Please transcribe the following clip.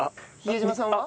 比江島さんは？